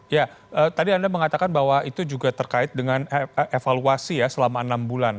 ya tadi anda mengatakan bahwa itu juga terkait dengan evaluasi ya selama enam bulan